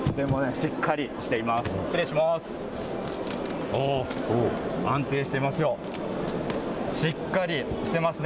しっかりしてますね。